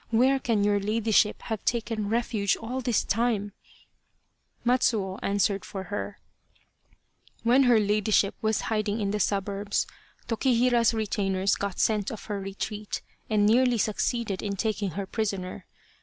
Where can your ladyship have taken refuge all this time ?" Matsuo answered for her : 217 Loyal, Even Unto Death ' When her ladyship was hiding in the suburbs, Tokihira's retainers got scent of her retreat and nearly succeeded in taking her prisoner.